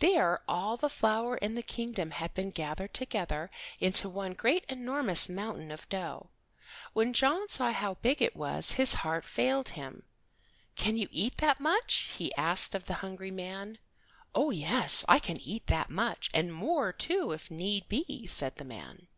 There all the flour in the kingdom had been gathered together into one great enormous mountain of dough. When John saw how big it was his heart failed him. "Can you eat that much?" he asked of the hungry man. "Oh, yes, I can eat that much, and more, too, if need be," said the man.